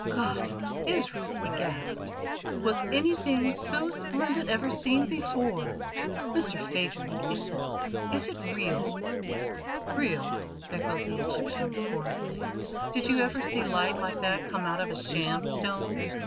"God of Israel," he gasped, "was anything so splendid ever seen before! Mr Phadrig, is it is it real?" "Real?" echoed the Egyptian scornfully. "Did you ever see light like that come out of a sham stone?